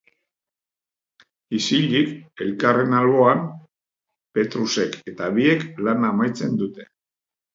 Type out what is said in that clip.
Isilik, elkarren alboan, Petrusek eta biek lana amaitzen dute.